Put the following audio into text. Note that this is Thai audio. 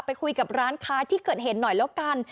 ไปคุยกับร้านค้าที่เกิดเหตุหน่อยแล้วกัน